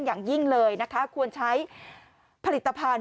กินให้ดูเลยค่ะว่ามันปลอดภัย